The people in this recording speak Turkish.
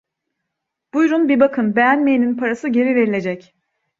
Buyurun, bir bakın, beğenmeyenin parası geri verilecek.